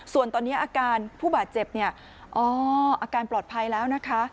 ส่วนตอนนี้อาการผู้บาดเจ็บเนี่ยอ๋ออาการปลอดภัยแล้วนะคะ